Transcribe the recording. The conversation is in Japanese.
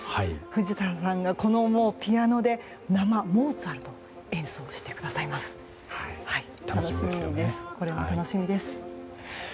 藤田さんがこのピアノで生モーツァルトを演奏してくださいます。